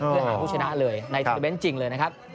เพื่อหาผู้ชนะเลยในโทรเมนต์จริงเลยนะครับ